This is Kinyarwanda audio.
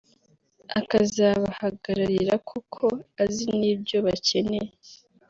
akazabahagararira koko azi n’ibyo bakeneye